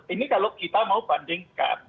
ini kalau kita mau bandingkan